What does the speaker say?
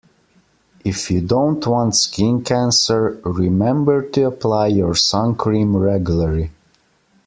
If you don't want skin cancer, remember to apply your suncream regularly